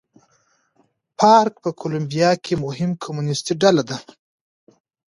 فارک په کولمبیا کې مهمه کمونېستي ډله وه.